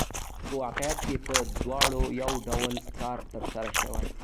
په واقعیت کې په دواړو یو ډول کار ترسره شوی